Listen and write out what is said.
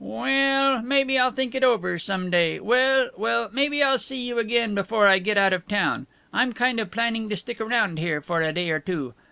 "Well, maybe I'll think it over, some day. Well well, maybe I'll see you again before I get out of town. I'm kind of planning to stick around here for a day or two.